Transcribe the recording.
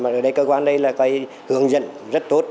mà ở đây cơ quan đây là cái hướng dẫn rất tốt